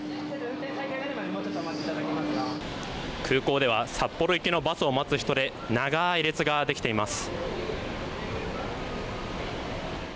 空港では札幌行きのバスを待つ人で長い列ができています。